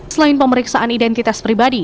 selain pemeriksaan identitas pribadi